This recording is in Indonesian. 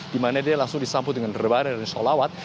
di mana dia langsung disamput dengan rebahan dari sholawat